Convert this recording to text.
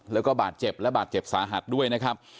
แล้วก็บาดเจ็บและบาดเจ็บสาหัสด้วยนะครับ